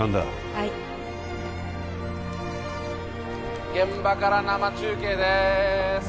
はい現場から生中継です